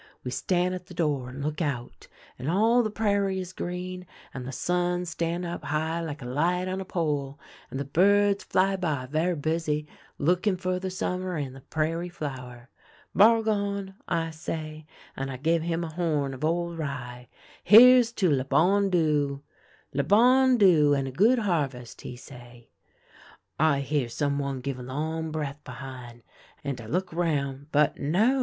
We stan' at the door and look out, and all the prairie is green, and the sun stan' up high like a light on a pole, and the birds fly by ver' busy looking for the summer and the prairie flower. "' Bargon,' I say — and I give him a horn of old rye —' here's to le bon Dieu !'"' Le bon Dieu, and a good harvest !' he say, " I hear some one give a long breath behin', and I look round ; but, no